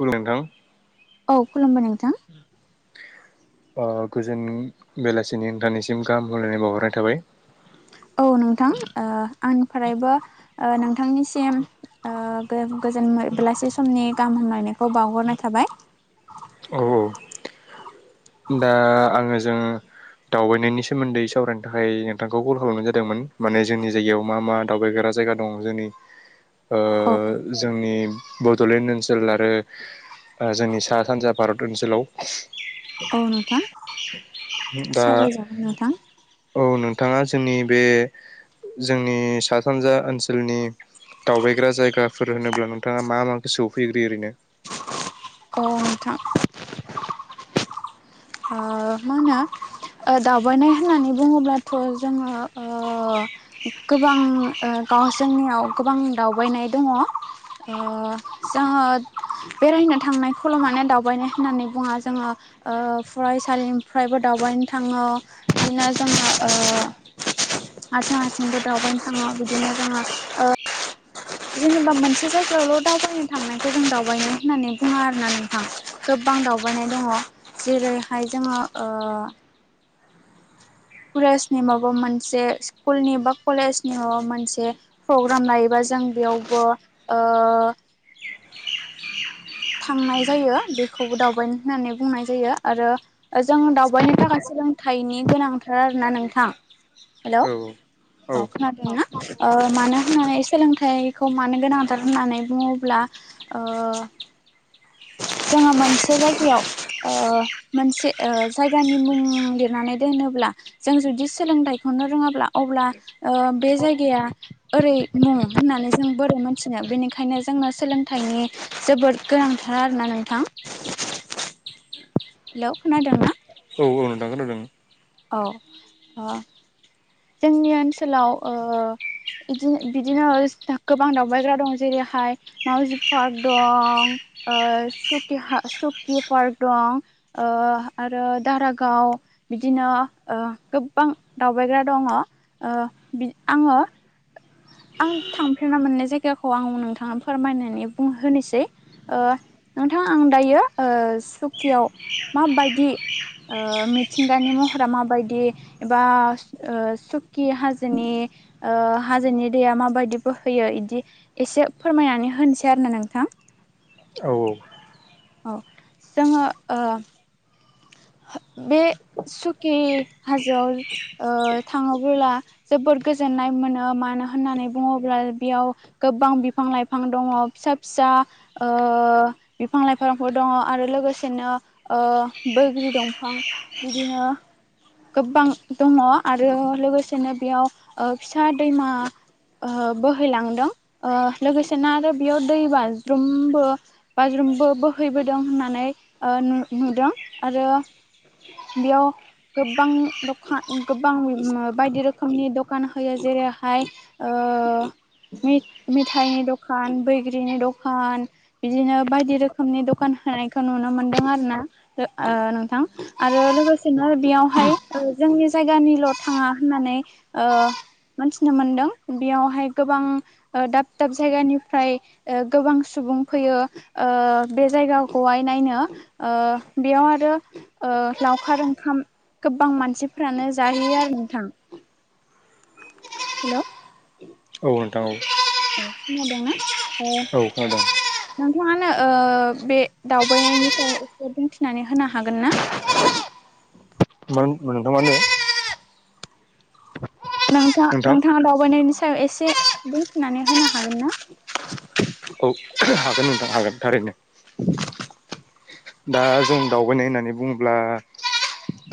खुलुमबाय नोंथां। औ खुलुमबाय नोंथां। अ गोजोन बेलासिनि नोंथांनिसिम गाहाम हामलायनाय बावहरनाय थाबाय। औ नोंथां आंनिफ्रायबो नोंथांनिसिम ओ गोजोन बेलासि समनि गाहाम हामलायनायखौ बावहरनाय थाबाय। औ। दा आङो जों दावबायनायनि सोमोन्दै सावरायनो थाखाय नोंथांखौ कल खालामनाय जादोंमोन मान जोंनि जायगायाव मा मा दावबायग्रा जायगा दं जोंनि ओ औ जोंनि बड'लेण्ड ओनसोल आरो जोंनि सा- सानजा भारत ओनसोलाव औ नोंथां दा सावरायजागोन नोंथां औ नोंथाङा जोंनि बे जोंनि सा सानजा ओनसोलनि दावबायग्रा जायगाफोर होनोब्ला नोंथाङा मा मा गोआवफैग्रोयो ओरैनो अ नोंथां ओ मा होनो ओ दावबायनाय होननानै बुङोब्लाथ' जोङो ओ गोबां ओ गाव जोंनियाव गोबां दावबायनाय दङ ओ जोङो बेरायनो थांनाय खल'मानो दावबायनाय होननानै बुङा जोङो ओ फरायसालिनिफ्रायबो दावबायनो थाङो बिदिनो जोंङो ओ आरों हारसिं हारसिंबो दावबायनो थाङो बिदिनो जोङो ओ जेनेबा मोनसे जायगायावल' दावबायनो थांनायखौ जों दावबायनो होननानै बुङा आरो ना नोंथां गोबां दावबायनाय दङ जेरैहाय जोङो ओ कलेज नि माबा मोनसे स्कुल नि बा कलेज नि माबा मोनसे प्रग्राम लायोबा जों बेयावबो ओ थांनाय जायो बेखौबो दावबानाय होननानै बुंनाय जायो आरो जों दावबायनो थाखाय सोलोंथाइनि गोनांथार आरो ना नोंथां हेलौ औ औ औ ओ मानो होननानै सोलोंथाइखौ मानो गोनांथार होननानै बुङोब्ला ओ जोङो मोनसे जायगायाव ओ मोनसे ओ जायगानि मुं लिरनानै दोनोब्ला जों जुदि सोलोंथाइखौनो रोङाब्ला अब्ला ओ बे जायगाया ओरै मुं होननानै जों बोरै मोनथिनो बेनिखायनो जोंनो सोलोंथाइनि जोबोद गोनांथार आरोना नोंथां हेलौ खोनादों ना औ नोंथां खोनादों औ ओ जोंनि ओनसोलाव ओ बिदिनो बिदिनो [unintelligible] गोबां दावबायग्रा दं जेरैहाय मावउजि पार्क दं ओ सुखि हा सुखि पार्क दं। ओ आरो दारागाव दिनो ओ गोबां दावबायग्रा दङ बि ओ आङो आं थांफेरना मोननाय जायगाखौ आं नोंथांनो फोरमायनानै बुं होनोसै। ओ नोंथां आं दायो ओ सुकियाव माबायदि ओ मिथिंगानि महरा माबायदि एबा ओ सुकि हाजोनि ओ हाजोनि दैैया माबायदि बोहैयो इदि एसे फोरमायनानै होनोसै आरो नोंथां। औ औ औ जोङो ओ बे सुकि हाजोआव ओ थाङोब्ला जोबोद गोजोननाय मोनो मानो होननानै बुङोब्ला बेयाव गोबां बिफां लाइफां दङ फिसा फिसा ओ बिफां लाइफांफोर दङ आरो लोगोसेनो ओ बैग्रि दंफां बिदिनो गोबां दङ आरो लोगोसेनो बेयाव ओ फिसा दैमा ओ बोहैलांदों ओ लोगोसेनो आरो बेयाव दै बाज्रुमबो बाज्रुमबो बोहैबोदों होननानै ओ नु-नुदों आरो बेयाव गोबां दखा गोबां बायदि रोखोमनि दखान होयो जेरैहाय ओ मि-मिथाइनि दखान बैग्रिनि दखान बिदिनो बायदि रोखोमनि दखान होनायखौ नुनो मोनदों आरो ना ओ नोंथां। आरो लोगोसेनो बेयावहाय ओ जोंनि जायगानिल' थाङा होननानै ओ मोनथिनो मोनदों बेयावहाय गोबां दाब दाब जायगानिफ्राय ओ गोबां सुबुं फैयो बे जायगाखौहाय नायनो ओ बेयाव आरो ओ लावखार ओंखाम गोबां मानसिफोरानो जाहैयो आरो नोंथां। हेल' औ नोंथां औ औ खोनादों ना ओ औ खोनादों नोंथाङानो ओ बे दावबायनायनि सायाव एसे बुंथिनानै होनो हागोन ना मोन [unintelligible] नोंथां नोंथाङा दावबायनायनि सायाव एसे बुंथि'नानै होनो हागोन ना? औ हागोन नोंथां हागोन थारैनो। दा जों दावबायनाय होननानै बुङोब्ला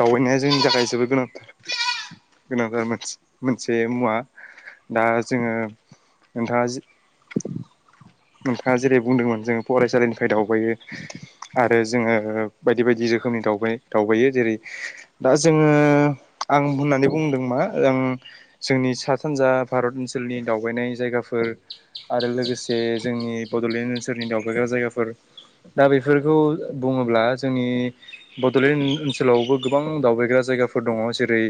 दावबायनाया जोंनि थाखाय जोबोद गोनां गोनांथार मोन मोनसे मुवा दा जोङो नोंथाङा जि नोंथाङा जेरै बुंदोंमोन जों फरायसालिनिफ्राय दावबायो आरो जोङो बायदि बायदि रोखोमनि दावबाय दावबायो जेरै दा जोङो आं होननानै बुंदों मा ओं जोंनि सा सानजा भारत ओनसोलनि दावबायनाय जायगाफोर आरो लोगोसे जोंनि बड'लेण्ड ओनसोलनि दावबायग्रा जायगाफोर दा बेफोरखौ बुङोब्ला जोंनि बड'लेण्ड ओनसोलावबो गोबां दावबायग्रा जायगाफोर दङ जेरै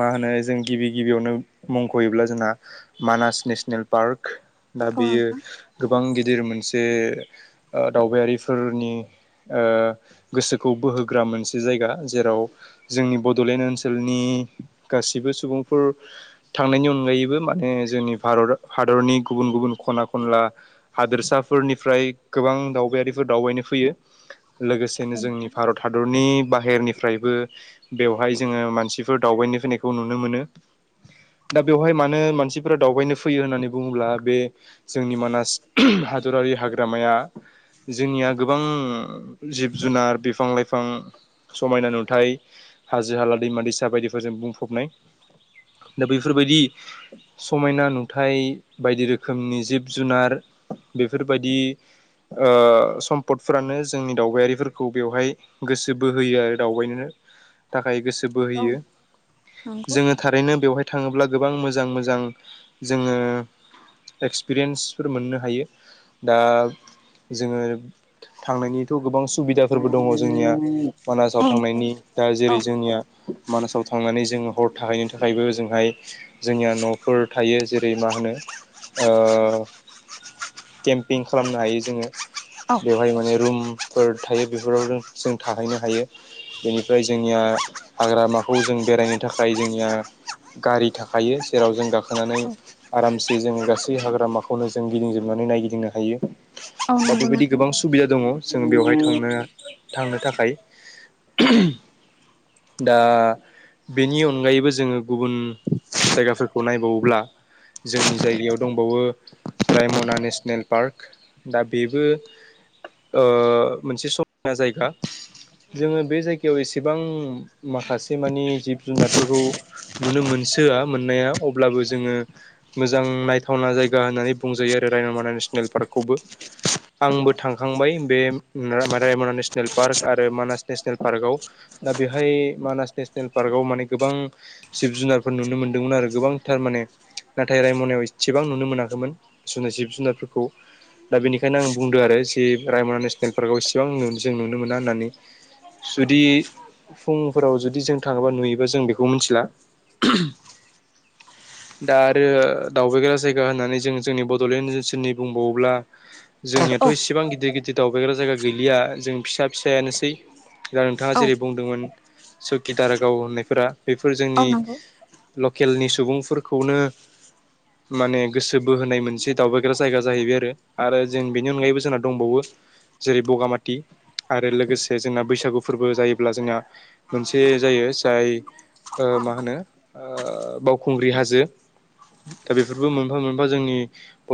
मा होनो जों गिबि गिबियावनो मुंख'योब्ला जोंहा मानास नेसनेल पार्क दा औ बेयो गोबां गिदिर मोनसे ओ दावबायारिफोरनि ओ गोसोखौ बोहोग्रा मोनसे जायगा जेराव जोंनि बड'लेण्ड ओनसोलनि गासिबो सुबुंफोर थांनायनि अनगायैबो माने जोंनि भारत हादरनि गुबुन गुबुन खना खनला हादोरसाफोरनिफ्राय गोबां दावबायारिफोर दावबायनो फैयो लोगोसे बिदिनो जोंनि नोंथां भारत हादरनि बाहेरनिफ्रायबो बेवहाय जोङो मानसिफोर दावबायनो फैनायखौ नुनो मोनो दा बेवहाय मानो मानसिफोरा दावबायनो फैयो होननानै बुङोब्ला बे जोंनि मानास हादरारि हाग्रामाया जोंनिया गोबां जिब जुनार बिफां लाइफां समायना नुथाय हाजो हाला दैमा दैसा बायदिफोरजों बुंफबनाय दा बेफोरबायदि समायना नुथाय बायदि रोखोमनि जिब जुनार बेफोरबायदि ओ सम्पदफोरानो जोंनि दावबायारिफोरखौ बेवहाय गोसो बोहोयो आरो दावबायनो थाखाय गोसो औ नोंथां औ बोहोयो नंगौ जोङो थारैनो बेवहाय थाङोब्ला गोबां मोजां मोजां जोङो एक्सपिरियेन्सफोर मोननो हायो दा जोङो थांनायनिथ' गोबां सुबिदाफोरबो दङ जोंनिया मानासाव औ थांनायनि दा औ जेरै जोंनिया मानासाव थांनानै जोङो हर थाहैनो थाखायबो हाबाफारि होजोंहाय जोंनिया न'फोर थायो जेरै मा होनो केम्पिं खालामनो हायो जोङो औ बेवहाय माने रुम फोर थायो बेफोराव जों थाहैनो हायो बेनिफ्राय जोंनिया हाग्रामाखौ जों बेरायनो थाखाय जोंनिया गारि थाख हायो जेराव जों गाखोनानै औ आराम जों गासै हाग्रामाखौनो जों गिदिंजोबनानै नायगिदिंनो हायो औ दा नंगौ बेबायदि नोंथां गोबां सुबिदा दङ जों बेवहाय थांनो थांनो थाखाय दा बेनि अनगायैबो जोङो गुबुन जायगाफोरखौ नायबावोब्ला जोंनि जायगायाव दंबावो रायमना नेसनेल पार्क दा बेबो ओ मोनसे समायना जायगा। जोङो बे जायगायाव एसेबां माखासे मानि जिब जुनारफोरखौ नुनो मोनसोआ मोननाया अब्लाबो जोङो मोजां नायथावना जायगा होननानै बुंजायो आरो रायनमना नेसनेल पार्कखौबो आंबो थांखांबाय बे रामा रायमना नेसनेल पार्क आरो मानास नेसनेल पार्कआव। दा बेहाय मानास नेसनेल पार्कआव माने गोबां जिब जुनारफोर नुनो मोन्दोंमोन आरो गोबांथार माने नाथाय रायमनायाव एसेबां नुनो मोनाखैमोन जोङो जिब जुनारफोरखौ। दा बेनिखायनो आं बुंदों आरो जे रायमना नेसनेल पार्कआव इसेबां जों नुनो मोना होननानै। जुदि फुंफोराव जुदि जों थाङोबा नुयोबा जों बेखौ मिन्थिला। दा आरो दावबायग्रा जायगा होननानै जों जोंनि बड'लेण्ड ओनसोलनि बुंबावोब्ला जोंनियाथ' औ इसेबां गिदिर गिदिर दावबायग्रा जायगा गैलिया जों फिसा फिसायानोसै दा नोंथाङा औ जेरै बुंदोंमोन सकि दारागाव होननायफोरा बेफोर औ जोंनि नंगौ लकेलनि सुबुंफोरखौनो माने गोसो बोहोनाय मोनसे दावबायग्रा जायगा जाहैबाय आरो आरो जों बेनि अनगायैबो जोंहा दंबावो जेरै बगामाथि आरो लोगोसे जोंना बैसागु फोरबो जायोब्ला जोंना मोनसे जायो जाय मा होनो बावखुंग्रि हाजो दा बेफोरबो मोनफा मोनफा जोंनि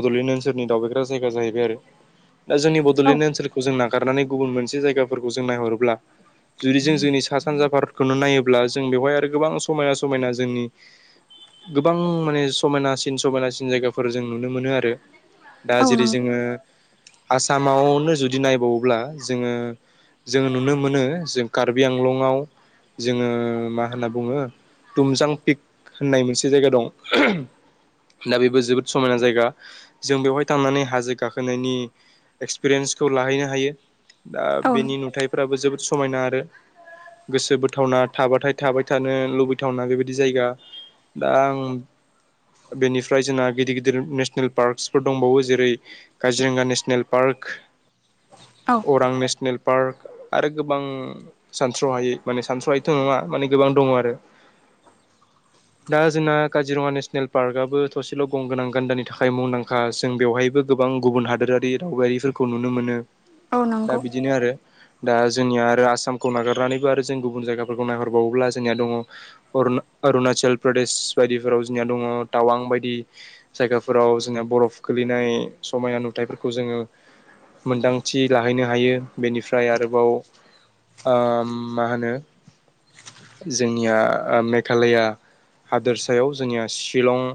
बड'लेण्ड ओनसोलनि दावबायग्रा जायगा जाहैबाय आरो। दा जोंनि बड'लेण्ड ओनसोलखौ जों नागारनानै गुबुन मोनसे जायगाफोरखौ जों नायहरोब्ला जुदि जों जोंनि सा सानजा भारतखौनो नायोब्ला जों बेवहाय आरो गोबां समायना समायना जोंनि गोबां माने समायनासिन समायनासिन जायगाफोर जों नुनो मोनो आरो दा औ जेरै नंगौ जोङो आसामावनो जुदि नायबावोब्ला जोङो जोङो नुनो मोनो जों कार्बि आंलंआव जोङो मा होनना बुङो तुमजां पिक होननाय मोनसे जायगा दं। दा बेबो जोबोद समायना जायगा जों बेवहाय थांनानै हाजो गाखोनायनि एक्सपिरियेन्सखौ लाहैनो हायो दा औ बेनि नंगौ नुथायाइफ्राबो जोबोद समायना आरो गोसो बोथावना थाबाथाय थाबाय थानो लुबैथावना बेबायदि जायगा। दा आं बेनिफ्राय जोंना गिदिर गिदिर नेसनेल पार्कसफोर दंबावो जेरै काजिरगा नेसनेल पार्क, औ अरां नेसनेल पार्क आरो गोबां सानथ्र'हायै माने सानथ्र'हायैथ' नङा माने गोबां दङ आरो। दा जोंना काजिरङा नेसनेल पार्कआबो थसेल' गंगोनां गान्दानि थाखाय मुंदांखा, जों बेवहायबो गोबां गुबुन हादोरारि दावबायारिफोर खौ नुनो मोनो, औ दा नंगौ बिदिनो आरो। दा जोंनिया आरो आसामखौ नागारनानैबो आरो जों गुबुन जायगाफोरखौ नायहरबावोब्ला जोंनिया दङ अर अरुणाचल प्रदेश बायदिफोराव जोंनिया दङ। टावां बायदि जायगाफोराव जोंहा बरफ गोलैनाय समायना नुथायाइफोरखौ जोङो मोनदांथि लाहैनो हायो बेनिफ्राय आरोबाव ओम मा होनो जोंनिया मेघालया हादोरसायाव जोंनिया सि सिलं।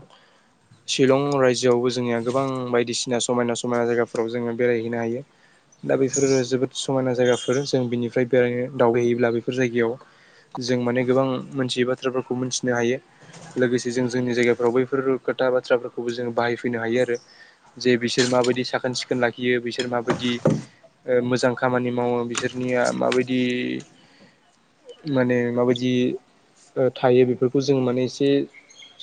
शिलं रायजोआवबो जोंनिया गोबां बायदिसिना समायना समायना जायगाफोराव जोङो बेरायहैनो हायो। दा बेफोरो जोबोद समायना जायगाफोर जों बिनिफ्राय बेरायनो दावबायहैयोब्ला बेफोर जायगायाव जों माने गोबां मोनथियै बाथ्राफोरखौ मिथिनो हायो। लोगोसे जों जोंनि जायगा फोराव बैफोर खोथा बाथ्राफोरखौबो जोङ बाहायफैनो हायो आरोना जे बिसोर माबायदि साखोन सिखोन लाखियो बिसोर माबायदि ओ मोजां खामानि मावो बिसोरनिया माबायदि माने माबायदि ओ थायो बेफोरखौ जों माने एसे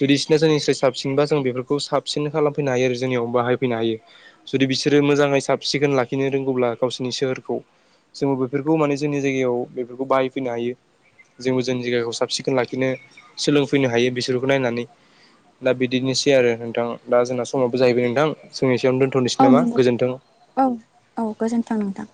जुदि बिसोरना जोंनिफ्राय साबसिनबा जों बेफोरखौ साबसिन खालामफैनो हायो आरो जोंनियावबो बाहायफैनो हायो जुदि बिसोरो मोजाङै साब सिखोन लाखिनो रोंगौब्ला गावसोरनि सोहोरखौ जोङो बेफोरखौ माने जोंनि जायगायाव बेफोरखौ बाहायफैनो हायो जोंबो जोंनि जायगाखौ साब सिखोन लाखिनो सोलोंफैनो हायो बिसोरखौ नायनानै दा बिदिनोसै आरो नोंथां दा जोंना समावबो जाहैबाय नोंथां सोंनि एसेयावनो औ दोनथ'नोसै नामा नंगौ गोजोन्थों औ औ गोजोन्थों नोंथां